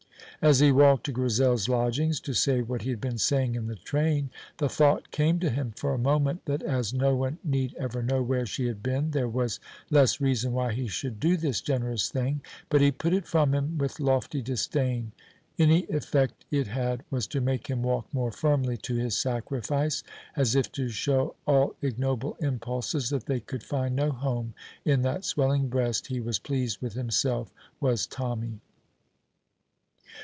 As he walked to Grizel's lodgings to say what he had been saying in the train, the thought came to him for a moment that as no one need ever know where she had been there was less reason why he should do this generous thing. But he put it from him with lofty disdain. Any effect it had was to make him walk more firmly to his sacrifice, as if to show all ignoble impulses that they could find no home in that swelling breast He was pleased with himself, was Tommy.